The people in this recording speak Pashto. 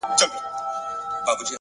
مثبت ذهن حل لارې پیدا کوي!